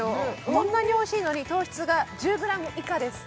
こんなにおいしいのに糖質が１０ｇ以下です